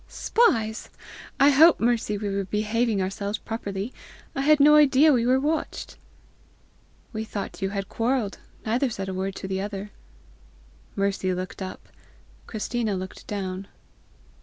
"Spies! I hope, Mercy, we were behaving ourselves properly! I had no idea we were watched!" "We thought you had quarrelled; neither said a word to the other." Mercy looked up; Christina looked down.